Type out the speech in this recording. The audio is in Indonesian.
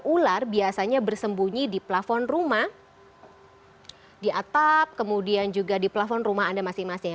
ular biasanya bersembunyi di plafon rumah di atap kemudian juga di plafon rumah anda masing masing